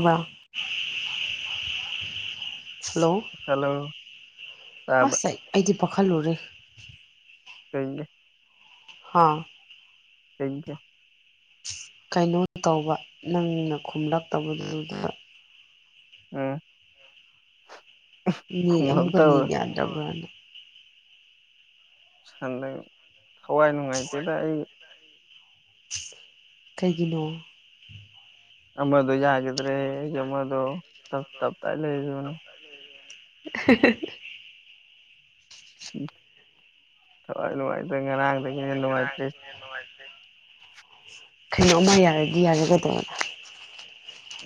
ꯋꯥ hello hello ꯇꯥꯕ꯭ꯔꯥ ꯑꯁ ꯑꯩꯗꯤ ꯄꯥꯈꯠꯂꯨꯔꯦ ꯀꯩ [unintelligible] ꯍꯥ ꯊꯦꯡ ꯀꯦ ꯀꯩꯅꯣ ꯇꯧꯕ ꯅꯪꯅ ꯈꯨꯝꯂꯛꯇꯕꯗꯨꯗ ꯑ ꯑꯃꯨꯛꯀ ꯅꯅꯤ ꯌꯥꯗꯕ꯭ꯔꯅ ꯁꯟꯗ ꯊꯋꯥꯏ ꯅꯨꯡꯉꯥꯏꯇꯦꯗ ꯑꯩ ꯀꯩꯒꯤꯅꯣ ꯑꯃꯗꯣ ꯌꯥꯈꯤꯗ꯭ꯔꯦ ꯑꯩ ꯑꯃꯗꯣꯞ ꯇꯞꯇꯥꯏ ꯂꯩꯔꯤꯕꯅꯦ [inaudible] ꯎ ꯊꯋꯥꯏ ꯅꯨꯡꯉꯥꯏꯇ꯭ꯔꯦ ꯉꯔꯥꯡꯗꯒꯤ ꯍꯦꯟꯅ ꯅꯨꯡꯉꯥꯏꯇ꯭ꯔꯦ ꯀꯩꯅꯣꯝꯃ ꯌꯥꯔꯗꯤ ꯌꯥꯔꯒꯗ꯭ꯔꯗ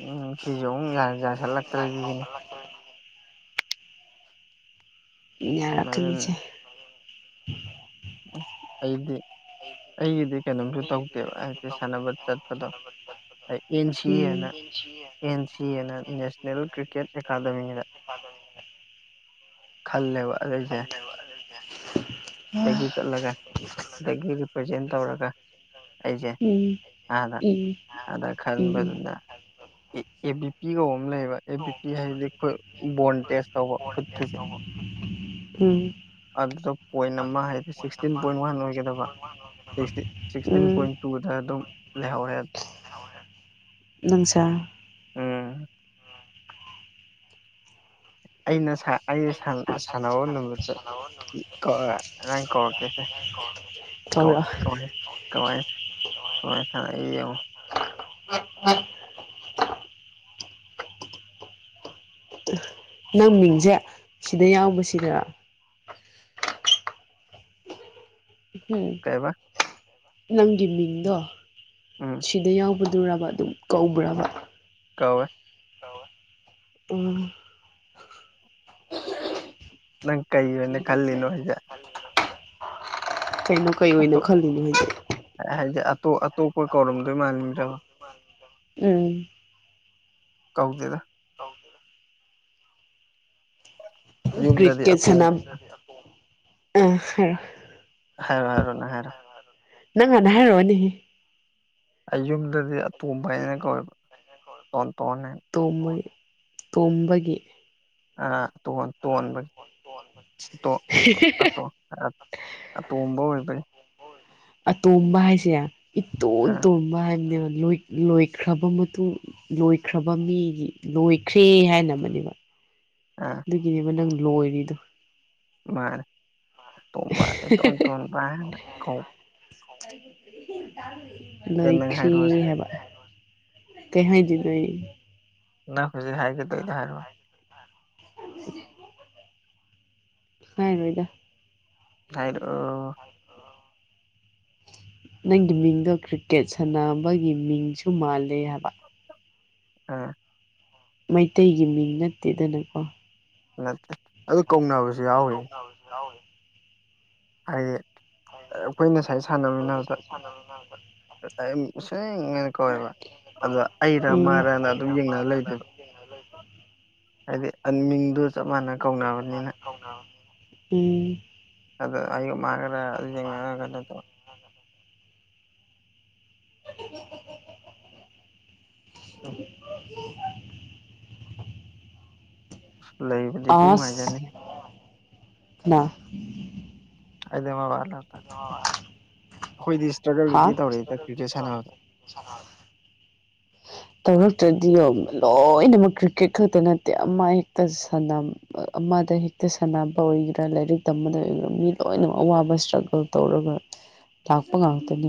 ꯎꯝ ꯁꯤꯁꯨꯦ ꯑꯃꯨꯛ ꯌꯥꯁꯜꯂꯛꯇ꯭ꯔꯗꯤ ꯁꯤꯅꯤ ꯑ ꯏ ꯃꯔꯝ ꯔꯀꯅꯤꯁ ꯑꯩꯗꯤ ꯑꯩꯒꯤꯗꯤ ꯀꯩꯅꯣꯝꯁꯨ ꯑꯩꯁꯨ ꯇꯧꯗꯦꯕ ꯍꯥꯏꯗꯤ ꯁꯥꯟꯅꯕ ꯑꯩ ꯆꯠꯄꯗꯣ ꯑꯩ ꯑꯗꯨꯖꯅꯇ ꯑꯦꯟ ꯁꯤ ꯑꯦꯅ ꯀ ꯑꯦꯟ ꯁꯤ ꯑꯦꯅ ꯁꯕꯄꯗ ꯅꯦꯁꯅꯦꯜ ꯀ꯭ꯔꯤꯀꯦꯠ ꯑꯦꯀꯥꯗꯃꯤꯗ ꯎꯝꯁꯤꯁꯤ [inaudible] ꯈꯜꯂꯦꯕ ꯑꯗꯨꯏꯁꯦ [inaudible] ꯗꯒꯤ ꯆꯠꯂ ꯗꯒꯤ ꯎꯝ ꯑꯗ ꯎꯝ ꯑꯗ ꯈꯕ ꯎꯝ ꯑꯗꯨꯗ ꯑꯦ ꯕꯤ ꯄꯤ ꯀꯧꯕ ꯑꯃ ꯂꯩꯌꯦꯕ ꯑꯦ ꯕꯤ ꯄꯤ ꯍꯥꯏꯗꯤ ꯑꯩꯈꯣꯏ ꯕꯣꯟ ꯇꯦꯁ ꯇꯧꯕꯠ ꯎꯝ ꯑꯗꯨꯗ ꯄꯣꯏꯟ ꯑꯃ ꯍꯥꯏꯗꯤ ꯁꯤꯛꯁꯇꯤꯟ ꯄꯣꯏꯟ ꯋꯥꯟ ꯑꯣꯏꯒꯗ ꯁꯤꯛꯁꯇꯤ ꯁꯤꯛꯁꯇꯤꯟ ꯎꯝ ꯄꯣꯏꯟ ꯇꯨꯗ ꯑꯗꯨꯝ ꯂꯩꯍꯧꯔꯦ꯫ ꯅꯪꯁꯦ꯫ ꯎꯝ ꯑꯩꯅ ꯑꯩ ꯑꯩꯩꯅ ꯁꯥꯟꯅꯕ ꯁꯔꯀꯒꯤ ꯅꯨꯃꯤꯠꯇ ꯁꯅ ꯅꯪ ꯀꯧꯔꯛꯀꯦꯁꯦ [unintelligible] ꯊꯃꯦ [unintelligible] ꯀꯃꯥꯏꯁ ꯀꯋꯥꯥꯏ ꯁꯥꯅꯩ ꯌꯦꯡꯉꯣ ꯅꯪ ꯃꯤꯡꯁꯦ ꯁꯤꯗ ꯌꯥꯎꯕꯁꯤꯔꯥ ꯎꯝ ꯀꯩꯕ ꯅꯪꯒꯤ ꯃꯤꯡꯗꯣ ꯎꯝ ꯁꯤꯗ ꯌꯥꯎꯕꯗꯨꯔꯕ ꯑꯗꯨꯝ ꯀꯧꯕ꯭ꯔꯕ ꯀꯋꯦ ꯑ ꯅꯪ ꯀꯩꯕꯅꯦ ꯀꯜꯂꯤꯅꯣꯖ ꯀꯩꯅꯣ ꯀꯩ ꯑꯣꯏꯅ ꯈꯜꯂꯤꯅꯣ ꯍꯥꯏꯗꯤꯛ ꯍꯥꯏꯗꯤ ꯑꯇꯣꯞ ꯑꯇꯣꯞꯄ ꯀꯧꯔꯝꯗꯣꯏ ꯃꯥꯂꯝꯗ꯭ꯔꯕ ꯍ ꯎꯝ ꯀꯧꯗꯦꯗ꯫ ꯍꯥꯎ [unintelligible] ꯌꯨꯝꯗꯗꯤ ꯀꯔꯤꯀꯦꯠ ꯑꯇꯣꯝ ꯁꯅꯝ ꯑ ꯍꯥꯢꯔꯛꯑꯣ ꯍꯥꯏꯔꯣ ꯍꯥꯏꯔꯣ ꯅꯪ ꯍꯥꯏꯔꯣ ꯅꯪ ꯍꯥꯟꯅ ꯍꯥꯏꯔꯣꯅꯤꯍꯦ ꯑꯩ ꯌꯨꯝꯗꯗꯤ ꯑꯇꯣꯝꯕ ꯍꯥꯏꯅ ꯀꯧꯋꯦꯕ ꯇꯣꯟ ꯇꯣꯟ ꯍꯥꯢꯅ ꯇꯣꯝꯕ ꯇꯣꯝꯕꯒꯤ ꯇꯣꯟꯕꯒꯤꯇꯣ [unintelligible] ꯑꯇꯣꯝꯕ ꯑꯣꯏꯕꯩ ꯑꯇꯣꯝꯕ ꯍꯥꯏꯁꯦ ꯏꯇꯣꯟ ꯑꯥ ꯇꯣꯕ ꯍꯥꯏꯕꯅꯦꯕ ꯂꯣꯏꯈ꯭ꯔꯕ ꯃꯇꯨꯡ ꯂꯣꯏꯈ꯭ꯔꯕ ꯃꯤꯗꯤ ꯂꯣꯏꯈ꯭ꯔꯦ ꯍꯥꯏꯅ ꯑꯃꯅꯦꯕ ꯑꯥ ꯑꯗꯨꯒꯤꯅꯦꯕ ꯅꯪ ꯂꯣꯏꯔꯤꯗꯣ ꯃꯥꯅꯦ ꯇꯣꯝꯕ ꯑꯦꯇꯣꯟ ꯇꯣꯟꯕ ꯍꯥꯢꯅ ꯀꯧꯕ ꯅꯪ ꯂꯣꯏꯈ꯭ꯔꯦ ꯍꯥꯏꯔꯛꯑꯣꯁꯦ ꯍꯥꯏꯕ ꯀꯍꯥꯢꯗꯨꯗꯣꯏꯅꯣ ꯑꯩ ꯅꯪ ꯍꯧꯖꯤꯛ ꯍꯥꯏꯒꯦ ꯊꯧꯔꯤꯗꯣ ꯍꯥꯏꯔꯛ ꯑꯣꯅꯦ ꯑꯗꯨ [unintelligible] ꯍꯥꯏꯔꯣꯏꯗ ꯍꯥꯢꯔꯛ ꯑꯣ ꯅꯪꯒꯤ ꯃꯤꯡꯗꯣ ꯀ꯭ꯔꯤꯀꯦꯠ ꯁꯥꯟꯅꯕꯒꯤ ꯃꯤꯡꯁꯨ ꯃꯥꯂꯦ ꯍꯥꯏꯕ ꯑꯥ ꯃꯩꯇꯩꯒꯤ ꯃꯤꯡ ꯅꯠꯇꯦꯗꯅꯀꯣ ꯅꯠꯇꯦ ꯑꯗꯨ ꯀꯧꯅꯕꯁꯨ ꯌꯥꯎꯋꯦ ꯌꯥꯥꯎꯦ [unintelligible] ꯍꯥꯏꯌꯦ ꯑꯩꯈꯣꯏ ꯉꯁꯥꯏ ꯁꯥꯟꯅꯃꯤꯟꯅꯕꯗ [unintelligible] ꯀꯧꯋꯦꯕ ꯑꯗ ꯑꯩꯔ ꯎꯝ ꯃꯥꯔꯅ ꯑꯗꯨꯝ ꯌꯦꯡꯅꯔ ꯂꯩꯗꯦꯕ [inaudible] ꯍꯥꯏꯗꯤ ꯃꯤꯡꯗꯣ ꯆꯞ ꯃꯥꯟꯅ ꯀꯧꯅꯕꯅꯤꯅ ꯎꯝ ꯑꯗ ꯑꯒ ꯃꯥꯒꯔ ꯌꯦꯡ ꯀꯩꯅꯣ [unintelligible] [unintelligible] ꯑ ꯂꯩꯕꯗꯤꯗꯤ ꯅꯨꯡꯉꯥꯏꯖꯅꯤ ꯑ [inaudible] ꯑꯩꯗ ꯃꯕꯥꯂꯗ ꯑꯩꯈꯣꯏꯗꯤ ꯏꯁꯇ꯭ꯔꯒꯜꯗꯤ ꯇꯧꯔꯛꯦꯗ ꯀ꯭ꯔꯤꯀꯦꯠ ꯁꯥꯟꯅꯕꯗ ꯃꯁꯥ [inaudible] ꯇꯧꯔꯛꯇ꯭ꯔꯗꯤ ꯂꯣꯏꯅꯃꯛ ꯀ꯭ꯔꯤꯛꯀꯦꯠ ꯈꯛꯇ ꯅꯠꯇꯦ ꯑꯃ ꯍꯦꯛꯇ ꯁꯅꯝ ꯑꯃꯗ ꯍꯦꯛꯇ ꯁꯥꯟꯅꯕ ꯑꯣꯏꯒꯦꯔꯥ ꯂꯥꯏꯔꯤꯛ ꯇꯝꯕꯗ ꯑꯣꯏꯒꯦꯔꯥ ꯃꯤ ꯂꯣꯏꯅꯃꯛ ꯑꯋꯥꯕ ꯏꯁꯇ꯭ꯔꯒꯜ ꯇꯧꯔꯒ ꯂꯥꯛꯄ ꯉꯥꯛꯇꯅꯤ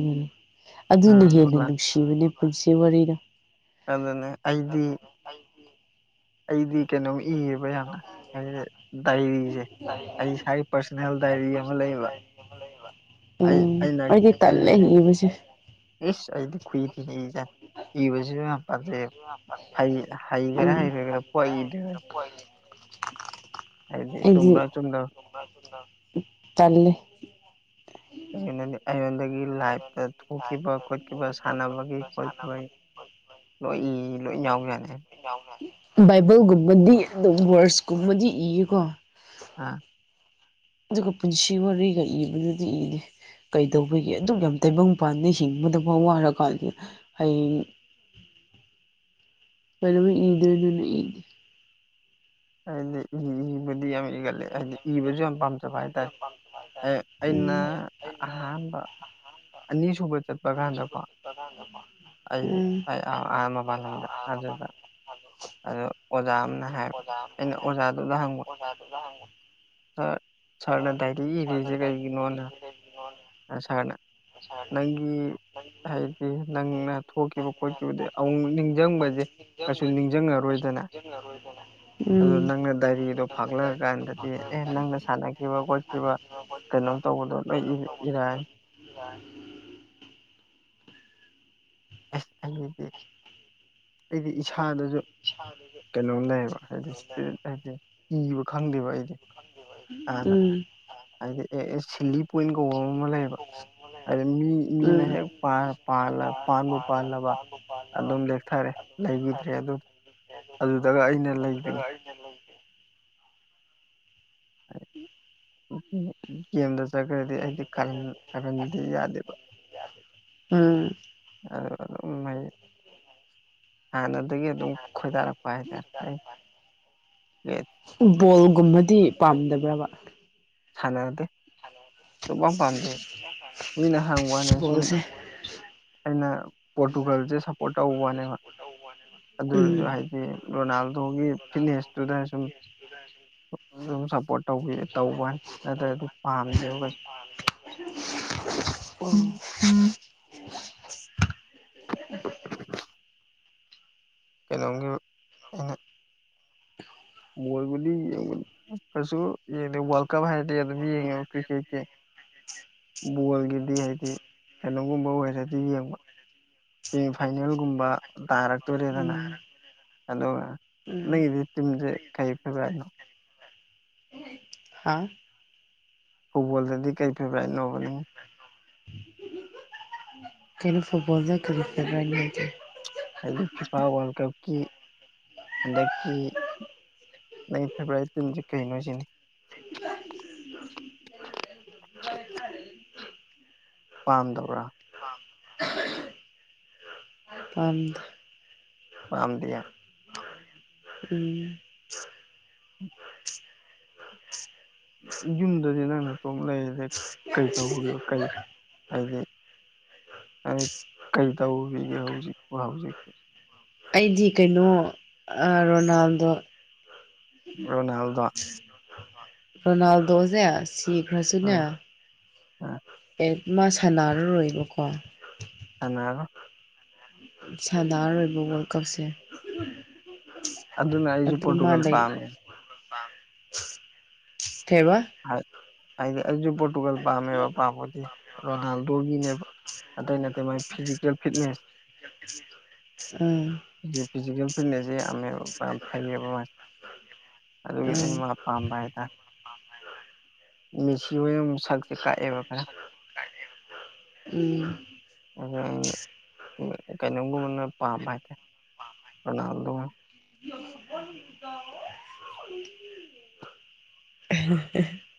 ꯑꯗꯨꯅ ꯍꯦꯟꯅ ꯑ ꯅꯨꯡꯁꯤꯕꯗꯤ ꯄꯨꯟꯁꯤ ꯋꯥꯔꯤꯗꯨ ꯑꯗꯨꯅꯦ ꯑꯩꯗꯤ ꯑꯩꯗꯤ ꯀꯩꯅꯣꯝ ꯏꯌꯦꯕ ꯌꯥꯝꯅ ꯍꯥꯢꯗꯤ ꯗꯥꯏꯔꯤꯁꯦ ꯑꯩ ꯏꯁꯥꯥꯏꯒꯤ ꯄꯥꯔꯁꯣꯅꯦꯜ ꯗꯥꯏꯔꯤ ꯑꯃ ꯂꯩꯕ ꯑꯩ ꯎꯝ ꯑꯩꯗꯤ ꯇꯜꯂꯦ [unintelligible] ꯑꯦꯁ ꯑꯩꯗꯤ ꯈꯨꯏ ꯊꯤꯅ ꯏꯖꯥꯅꯤ ꯏꯕꯖꯨ ꯌꯥꯝ [unintelligible] ꯍꯩꯒꯦꯔꯥ ꯍꯥꯏ ꯍꯥꯏ ꯀꯔ ꯍꯥꯏ ꯍꯥꯏꯗꯤ [unintelligible] ꯑꯩꯗꯤ ꯆꯨꯝꯕ꯭ꯔꯥ ꯆꯨꯝꯗꯕ꯭ꯔꯥ ꯇꯜꯂꯦ [unintelligible] ꯑꯩꯉꯣꯟꯗꯒꯤ ꯂꯥꯏꯐꯇ ꯊꯣꯛꯈꯤꯕ ꯈꯣꯠꯈꯤꯕ ꯁꯥꯟꯅꯕꯒꯤ ꯈꯣꯠꯈꯤꯕꯒꯤ ꯂꯣꯏ ꯂꯣꯏ ꯌꯥꯎꯕ ꯌꯥꯗꯦ ꯕꯥꯏꯕꯜꯒꯨꯝꯕꯗꯤ ꯑꯗꯨꯝ ꯋꯥꯔꯁꯀꯨꯝꯕꯗꯤ ꯏꯌꯦꯀꯣ ꯑꯥ ꯑꯗꯨꯒ ꯄꯨꯟꯁꯤ ꯋꯥꯔꯤꯒ ꯏꯕꯗꯨꯗꯤ ꯏꯗꯦ ꯀꯩꯗꯧꯕꯒꯤ ꯑꯗꯨꯛ ꯌꯥꯝ ꯇꯩꯕꯪꯄꯥꯟꯅ ꯍꯤꯡꯕꯗꯕꯨ ꯋꯥꯔꯀꯥꯟꯗ ꯍꯌꯦꯡ ꯀꯩꯗꯧꯕꯩ ꯏꯗꯣꯏꯅꯣꯅꯦ ꯏꯗꯦ ꯑꯩꯗꯤ ꯏꯕꯗꯤ ꯌꯥꯝ ꯏꯒꯟꯂꯦ ꯍꯥꯏꯗꯤ ꯏꯕꯨꯁꯨ ꯌꯥꯝ ꯄꯥꯝꯖꯩ ꯑꯗꯨ ꯍꯥꯏꯇꯥꯔꯦ ꯑꯩꯅ ꯎꯝ ꯑꯍꯥꯟꯕ ꯑꯅꯤꯁꯨꯕ ꯆꯠꯄ ꯀꯥꯟꯗꯀꯣ ꯑ [inaudible] ꯑꯩ ꯑꯥꯥ ꯃꯄꯥꯟ ꯂꯝꯗ ꯑꯗꯨꯗ ꯑꯗꯨ ꯑꯣꯖꯥ ꯑꯃꯅ ꯍꯥꯏꯕ ꯑꯩꯅ ꯑꯣꯖꯥꯗꯨꯗ ꯍꯪꯕ ꯐ ꯑꯗꯨꯗꯪ [inaudible] ꯁꯥꯔ ꯁꯥꯔꯅ ꯗꯥꯏꯔꯤ ꯏꯔꯤꯁꯦ ꯀꯩꯒꯤꯅꯣꯅ [inaudible] ꯁꯥꯔꯅ ꯅꯪꯒꯤ ꯍꯥꯏꯗꯤ ꯅꯪꯅ ꯊꯣꯛꯈꯤꯕ ꯈꯣꯠꯈꯤꯕꯗꯤ ꯑꯃꯣꯛ ꯅꯤꯡꯁꯤꯡꯕꯁꯦ ꯀꯩꯁꯨ ꯅꯤꯡꯁꯤꯡꯉꯔꯣꯏꯗꯅ ꯑꯗꯨ ꯅꯪꯅ ꯗꯥꯏꯔꯤꯗꯣ ꯐꯥꯥꯛꯂꯛꯑꯀꯥꯟꯗ ꯗꯤ ꯑꯦ ꯅꯪꯅ ꯁꯥꯟꯅꯈꯤꯕ ꯈꯣꯠꯈꯤꯕ ꯀꯩꯅꯣꯝ ꯇꯧꯕꯗꯣ ꯂꯣꯏ ꯏꯔꯛꯑꯥꯅꯤ ꯌꯥ [inaudible] ꯑꯁ ꯑꯗꯨꯗꯤ ꯑꯩꯗꯤ ꯏꯁꯥꯗꯁꯨ ꯀꯩꯅꯣꯅꯦꯌꯦꯕ ꯍꯥꯏꯗꯤ ꯏꯁꯄꯤꯔꯤꯠ ꯍꯥꯏꯗꯤ ꯀꯤꯕ ꯈꯪꯗꯦꯕ ꯑꯩꯗꯤ ꯍꯥꯟꯅ ꯎꯝ ꯍꯥꯏꯗꯤ ꯑꯦ ꯑꯦ ꯁꯤꯂꯤ ꯄꯣꯏꯟ ꯀꯧꯕ ꯑꯃ ꯂꯩꯌꯦꯕ ꯍꯥꯏ ꯃꯤ ꯃꯤꯅ ꯍꯦꯛ ꯄꯥꯟꯕꯕꯨ ꯄꯥꯜꯂꯕ ꯑꯗꯨꯝ ꯂꯦꯛꯊꯔꯦ ꯂꯩꯈꯤꯗ꯭ꯔꯦ ꯑꯗꯨ ꯣ ꯑꯗꯨꯗꯒ ꯑꯩꯅ ꯑꯗꯨ ꯇꯔ ꯂꯩꯕꯅꯤ ꯍꯥꯏꯅꯅꯦ [unintelligible] ꯎꯝ ꯒꯦꯝꯗ ꯆꯠꯈ꯭ꯔꯗꯤ ꯑꯩꯗꯤ ꯈ ꯈꯥꯍꯟꯗꯤ ꯌꯥꯗꯦꯕ ꯎꯝ ꯑꯗꯨꯒ ꯑꯗꯨꯝ ꯍꯩ ꯍꯥꯟꯅꯗꯒꯤ ꯑꯗꯨꯝ ꯈꯣꯏꯗꯥꯔꯄ ꯍꯥꯏ ꯇꯥꯔꯦ ꯕꯣꯜꯒꯨꯝꯕꯗꯤ ꯄꯥꯝꯗꯕ꯭ꯔꯕ ꯁꯥꯟꯅꯔꯗꯦ ꯁꯨꯝꯄꯥꯝ ꯄꯥꯝꯗꯦ ꯃꯤꯅ ꯍꯥꯡꯕ ꯋꯥꯅ ꯁꯨꯝ ꯕꯣꯜꯁꯦ ꯑꯩꯅ ꯄꯣꯔꯇꯨꯒꯜꯁꯦ ꯁꯞꯄꯣꯔꯠ ꯇꯧꯕꯅꯦꯕ ꯑꯗꯨꯔꯁꯨ ꯎꯝ ꯍꯥꯏꯗꯤ ꯔꯣꯅꯥꯜꯗꯣꯒꯤ ꯐꯤꯠꯅꯦꯁ ꯁꯨꯝ ꯁꯁ ꯁꯞꯄꯣꯔꯠ ꯇꯧꯕꯤ ꯇꯧꯕꯅꯤ ꯅꯠꯇ꯭ꯔꯗꯤ ꯄ ꯄꯥꯝꯗꯦꯕ ꯀꯩꯁꯨ ꯇ ꯑꯣ ꯑ ꯀꯩꯅꯣꯝꯒꯤ ꯑꯩꯅ [unintelligible] ꯃꯣꯏꯒꯗꯤ ꯀꯁꯨꯁꯨ [unintelligible] ꯌꯦꯗꯤ ꯋꯥꯔꯜ ꯀꯞ ꯍꯥꯏꯔꯗꯤ ꯑꯗꯨꯝ ꯌꯦꯡꯉꯦꯕ ꯀ꯭ꯔꯤꯀꯦꯠꯀꯤ ꯕꯣꯜꯒꯤꯗꯤ ꯍꯥꯏꯗꯤ ꯀꯩꯅꯣꯒꯨꯝꯕ ꯑꯣꯏꯔꯗꯤ ꯌꯦꯡꯕ ꯁꯤꯃꯤꯐꯥꯏꯅꯦꯜꯒꯨꯝꯕ ꯇꯥꯔꯛꯇꯣꯔꯦꯗꯅ ꯑ [inaudible] ꯑꯗꯨꯒ ꯅꯪꯒꯤꯗꯤ ꯇꯤꯝꯁꯦ ꯀꯔꯤ ꯐꯦꯕꯣꯔꯥꯏꯠꯅꯣ ꯍꯥ ꯐꯨꯠꯕꯣꯜꯗꯗꯤ ꯀꯩ ꯐꯦꯕꯣꯔꯥꯏꯠꯅꯣꯕ ꯅꯪ ꯑꯣ [inaudible] ꯀꯩꯅꯩꯅꯣ ꯐꯣ ꯀ ꯐꯅꯤ ꯍꯥꯏꯗꯤ ꯐꯤꯐꯥ ꯋꯥꯔꯜ ꯀꯞꯀꯤ ꯍꯟꯗꯛꯀꯤ ꯅꯪ ꯐꯦꯕꯋꯥꯔꯤ ꯇꯤꯟꯁꯦ ꯀꯩꯅꯣ ꯁꯤꯅꯤ [unintelligible] ꯍꯣꯏ ꯆꯔꯦ ꯄꯥꯝꯗꯕ꯭ꯔꯥ ꯄ ꯄꯝꯗ ꯎꯝ ꯌꯨꯝꯗꯗꯤ ꯅꯪꯅ ꯇꯣꯡ ꯂꯩꯔꯦ ꯀꯩ ꯇꯧ ꯀꯩ ꯍꯥꯏꯗꯤ ꯍꯥꯏ ꯀꯔꯤ ꯇꯧꯕꯤꯒꯦ ꯍꯧꯖꯤꯛꯀꯣ ꯍꯧꯖꯤꯛꯤ ꯑꯩꯗꯤ ꯀꯩꯅꯣ ꯔꯣꯅꯥꯜꯗꯣ ꯑꯣ ꯅꯜꯗ ꯔꯣꯅꯥꯜꯗꯣꯁꯦ ꯁꯤ ꯈ꯭ꯔꯁꯤꯅꯦ ꯎꯝ ꯎꯝ ꯑꯦꯠ ꯃꯥ ꯁꯥꯟꯅꯔꯔꯣꯏꯕꯀꯣ ꯑꯅꯥ ꯁꯥꯗꯥꯔꯣꯏꯕ ꯋꯥꯔꯜ ꯀꯞꯁꯦ [unintelligible] ꯑꯗꯨꯅ ꯑꯩꯁꯨ ꯑꯗꯨ ꯃꯥ ꯄꯣꯔꯇꯨꯒꯜ ꯂꯩ ꯄꯥꯝꯃꯦ ꯀꯩꯕ ꯍꯥꯏꯗꯤ ꯑꯩꯁꯨ ꯄꯣꯔꯇꯨꯒꯜ ꯄꯥꯝꯃꯦꯕ ꯄꯥꯝꯕꯗꯤ ꯔꯣꯅꯥꯜꯗꯣꯒꯤꯅꯦꯕ ꯑꯇꯩ ꯅꯠꯇꯦ ꯃꯥꯥꯏ ꯐꯤꯖꯤꯀꯦꯜ ꯐꯤꯠꯅꯦꯁ ꯎꯝ ꯐꯤꯖꯤꯀꯦꯜ ꯐꯤꯠꯅꯦꯁꯁꯦ ꯌꯥꯝꯃꯦꯕ ꯐꯩꯌꯦꯕ ꯃꯥꯁ ꯑꯗꯨꯒꯤ ꯑꯝꯕꯥꯏꯗ ꯑ ꯍꯥꯏ ꯃꯦꯁꯤ ꯑꯣꯏꯅ ꯁꯛꯁꯦ ꯀꯛꯑꯦꯕ ꯈꯔ ꯎꯝ ꯑꯗꯨ ꯀꯩꯅꯣꯝꯒꯨꯝꯕꯅ ꯄꯥꯝꯕ ꯍꯥꯏꯇꯥꯔꯦ ꯑꯅꯥꯜꯂ ꯌꯦ [unintelligible] ꯑ [unintelligible]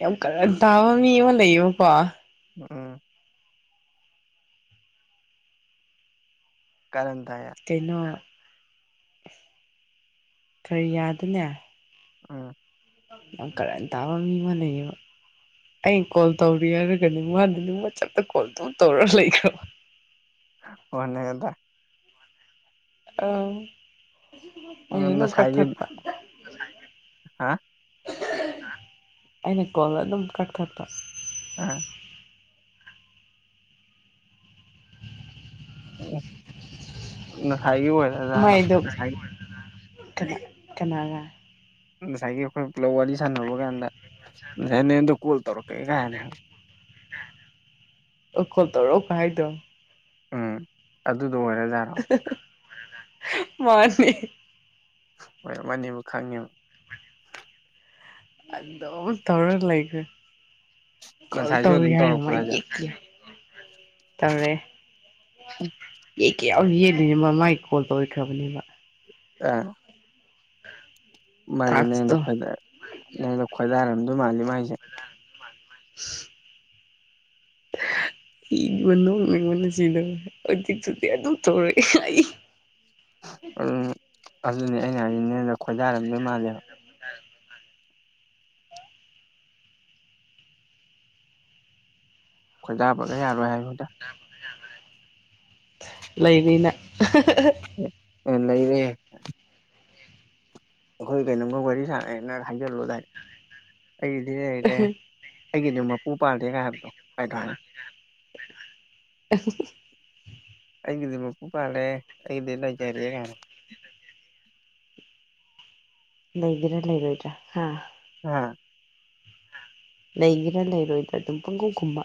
ꯌꯥꯝ ꯀꯔꯜ ꯇꯥꯕ ꯃꯤ ꯑꯃ ꯂꯩꯌꯦꯕꯀꯣ ꯎꯝ ꯀꯔꯟ ꯇ ꯀꯩꯅꯣ ꯈꯔꯤ ꯌꯥꯗꯅꯦ ꯑꯣ ꯌꯝ ꯀꯔꯜ ꯇꯥꯕ ꯃꯤ ꯑꯃ ꯂꯩꯔꯦ ꯑꯩ ꯀꯣꯜ ꯇꯧꯔꯤ ꯍꯥꯏꯔꯒꯅꯤ ꯋꯥꯗꯅꯤꯡ ꯃꯆꯇ ꯀꯣꯜ ꯑꯗꯨ ꯇꯧꯔ ꯂꯩꯈ꯭ꯔꯣ ꯋꯥꯅꯦꯛꯗ ꯑ ꯃ ꯅꯧ ꯀ ꯉꯁꯥꯏꯒꯤ ꯊꯠ [unintelligible] ꯍꯥ ꯑꯩꯅ ꯀꯣꯜ ꯑꯗꯨꯝ ꯀꯛ ꯊꯠꯄ ꯑ ꯉꯁꯥꯢꯒꯤ ꯑꯣꯢꯔꯦ ꯃꯥꯏꯗꯣ ꯀꯅꯥꯔ ꯉꯁꯥꯏꯒꯤ ꯑꯩꯈꯣꯏ ꯄꯨꯂꯞ ꯋꯥꯔꯤ ꯁꯥꯟꯅꯕ ꯀꯥꯟꯗ ꯉꯁꯥꯏ ꯅꯗꯣ ꯀꯣꯜ ꯇꯧꯔꯛꯀꯒꯦ ꯀꯥꯏꯅ ꯑꯣ ꯈꯣꯜ ꯇꯧꯔꯛꯕ ꯍꯥꯢꯗꯣ ꯎꯝ ꯑꯗꯨꯗ ꯑꯣꯏꯔꯖꯥꯔ ꯃꯥꯅꯤ [unintelligible] ꯍꯣꯏ ꯑꯃ ꯑꯅꯤꯕꯨ ꯈꯪꯉꯤꯕ ꯑꯗꯨ ꯇꯧꯔꯒ ꯂꯩꯒꯦ ꯀꯣꯜ ꯉꯁꯥꯏꯁꯨ ꯇꯧꯔꯤ ꯑꯗꯨꯝ ꯍꯥꯏꯔꯝ [unintelligible] ꯒ ꯇꯧꯔꯛꯄ꯭ꯔꯣ ꯍꯥꯏꯁꯦ ꯌꯦ ꯀ ꯇꯧꯔꯦ ꯌꯦ ꯀꯦ ꯌꯥꯝ ꯌꯦꯛꯗꯣꯏꯅꯦꯃꯥꯏꯒꯤ ꯀꯣꯜ ꯇꯧꯔꯈ꯭ꯔꯕꯅꯦꯕ ꯑ ꯃꯥꯁꯦ ꯅꯗꯣ ꯇꯥꯛꯁꯇꯣ ꯈꯗꯥ ꯅꯗꯣ ꯈꯣꯏꯗꯥꯔꯝꯗꯣꯏ ꯃꯥꯜꯂꯤ ꯃꯥꯥꯏꯁꯦ [inaudible] ꯏ ꯅꯣꯡ ꯑꯩꯉꯣꯟꯗ ꯁꯤꯗꯕ ꯑꯗꯨꯗꯤꯨꯗꯤ ꯑꯗꯨꯝ ꯇꯧꯔꯛꯑꯦ ꯑꯩ ꯎꯝ ꯑꯗꯨꯅꯦ ꯑꯩꯅ ꯍꯥꯏꯁꯤꯅꯦꯅ ꯈꯣꯏꯗꯥꯔꯝꯗ ꯃꯥꯜꯂꯦꯕ ꯑ ꯈꯣꯏꯗꯥꯕꯒ ꯌꯥꯔꯣꯏ ꯍꯥꯏꯕꯣꯏꯗ ꯂꯩꯕꯅ [unintelligible] ꯂꯩꯔꯦ ꯑꯩꯈꯣꯏ ꯀꯩꯅꯣꯝꯒ ꯋꯥꯔꯤ ꯁꯥꯟꯅꯦꯅ ꯍꯥꯏꯖꯜꯂꯨꯗꯥꯏ ꯑꯩꯗꯤ ꯂꯩꯔꯦ ꯑꯩꯒꯤꯗꯤ ꯃꯄꯨ ꯄꯥꯜꯗꯦꯒꯥꯏ ꯍꯥꯏꯕꯗꯣ ꯀꯥꯏꯗ ꯍꯥꯏꯔꯒꯦ [unintelligible] ꯑꯩꯒꯤꯗꯤ ꯃꯄꯨ ꯄꯥꯜꯂꯦ ꯑꯩꯗꯤ ꯂꯩꯖꯔꯦ ꯀꯥꯏꯅ ꯂꯩꯒꯦꯔ ꯂꯩꯔꯣꯏꯗꯔ ꯍꯥꯥ ꯎꯝ ꯂꯩꯒꯦꯔ ꯂꯩꯔꯣꯏꯗ꯭ꯔꯥ ꯑꯗꯨꯝ ꯄꯡꯈꯨꯝ ꯈꯨꯝꯕ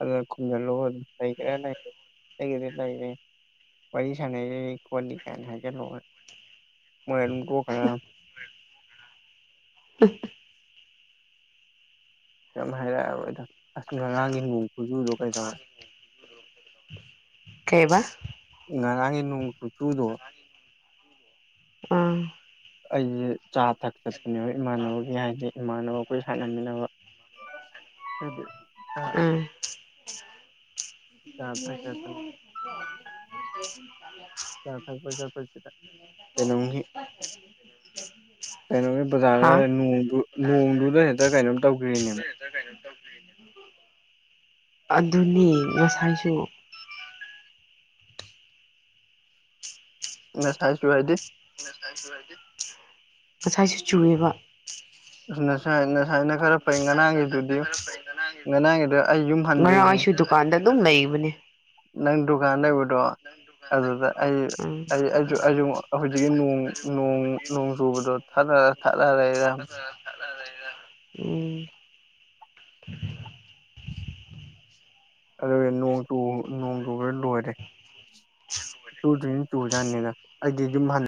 ꯑꯗꯨ ꯈꯨꯝꯖꯤꯜꯂꯨ ꯑꯗꯨꯝ ꯂꯩꯒꯦꯔ ꯂꯩꯔꯣꯏꯔ ꯑꯩꯒꯤꯗꯤ ꯂꯩꯔꯦ ꯋꯥꯔꯤ ꯁꯥꯟꯅꯩꯁꯤ ꯑꯩꯅꯤ ꯀꯥꯏꯅ ꯍꯥꯏꯖꯜꯂꯣ ꯃꯣꯏ ꯑꯗꯨꯝ ꯇꯣꯛꯈꯔꯗꯃꯦ ꯀꯩꯝ ꯍꯥꯏꯔꯛꯑꯔꯣꯏꯗꯃꯦ ꯑꯁ ꯉꯔꯥꯡꯒꯤ ꯅꯣꯡ ꯈꯨꯆꯨꯗꯣ ꯀꯩꯗꯧꯔꯦ ꯑꯣ ꯀꯩꯕ ꯉꯔꯥꯡꯒꯤ ꯅꯣꯡ ꯀꯨꯆꯨꯗꯣ ꯎꯝ ꯑꯩꯁꯦ ꯆꯥ ꯊꯛ ꯆꯠꯄꯅꯦꯕ ꯏꯃꯥꯟꯅꯕꯒꯤ ꯍꯥꯏꯗꯤ ꯏꯃꯥꯟꯅꯕ ꯑꯩꯈꯣꯏ ꯁꯥꯟꯅꯃꯤꯟꯅꯕ ꯑꯗꯨꯗꯤ [unintelligible] ꯎꯝ ꯆꯥ ꯊꯛ ꯆꯠꯄꯅꯦ [unintelligible] ꯆꯥ ꯊꯛꯄ ꯆꯠꯄꯁꯤꯗ ꯀꯩꯅꯣꯝꯒꯤ ꯀꯩꯅꯣꯒꯤ ꯕꯖꯥꯔ ꯍꯥ ꯑꯗꯋꯥꯏꯗ ꯅꯣꯡꯗꯨ ꯅꯣꯡꯗꯨꯗ ꯍꯦꯛꯇ ꯀꯩꯅꯣꯝ ꯇꯧꯒꯔꯤꯅꯦꯕ ꯀꯅ [unintelligible] ꯑꯗꯨꯅꯤ ꯉꯁꯥꯏꯁꯨ ꯅ ꯆꯥꯏꯁꯨ ꯍꯥꯏꯗꯤ [unintelligible] ꯉꯁꯥꯏꯁꯨ ꯆꯨꯌꯦꯕ ꯑ ꯉꯁꯥꯏ ꯉꯁꯥꯏꯅ ꯈꯔ ꯐꯩ ꯉꯔꯥꯡꯒꯤꯗꯨꯗꯤ ꯉꯔꯥꯡꯒꯤꯗꯨ ꯉꯔꯥꯡ ꯑꯩꯥꯁꯨ ꯗꯨꯀꯥꯟꯗ ꯑꯗꯨꯝ ꯂꯩꯕꯅꯦ ꯅꯪ ꯗꯨꯀꯥꯟ ꯂꯩꯕꯗꯣ ꯑꯗꯨꯗ ꯑꯩ ꯎꯝ ꯑꯩ ꯑꯩꯖꯨ ꯑꯩꯖꯨ ꯑꯃꯨꯛ ꯍꯧꯖꯤꯛꯀꯤ ꯅꯣꯡ ꯅꯣꯡ ꯅꯣꯡ ꯆꯨꯕꯗꯣ ꯊꯗꯔ ꯊꯠꯂ ꯂꯩꯔ [inaudible] ꯊꯠꯂ ꯂꯩꯔ ꯎꯝ ꯎ [unintelligible] ꯑꯗꯨꯒ ꯅꯣꯡ ꯅꯣꯡ ꯆꯨꯕꯒ ꯂꯣꯏꯔꯦ ꯇꯨ ꯇ ꯇꯨ ꯌꯥꯅꯦꯗ ꯑꯩꯥꯗꯤ ꯌꯨꯝ ꯍꯜ